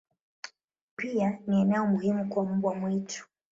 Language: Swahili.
Pia ni eneo muhimu kwa mbwa mwitu.